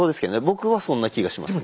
僕はそんな気がしますね。